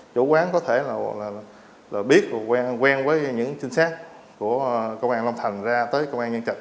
chủ quán có thể là biết quen với những chính xác của công an long thành ra tới công an nhân trạch